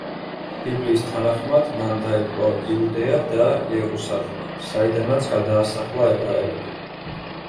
ბიბლიის თანახმად, მან დაიპყრო იუდეა და იერუსალიმი, საიდანაც გადაასახლა ებრაელები.